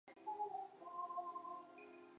君灵塔的历史年代为清。